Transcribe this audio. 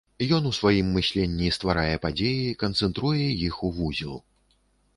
Ён у сваім мысленні стварае падзеі, канцэнтруе іх у вузел.